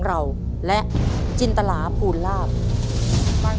ตัวเลือกที่๔ขึ้น๘ค่ำเดือน๗